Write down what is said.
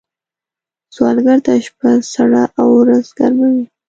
سوالګر ته شپه سړه او ورځ ګرمه وي